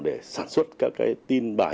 để sản xuất các cái tin bài